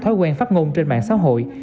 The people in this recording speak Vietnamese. thói quen phát ngôn trên mạng xã hội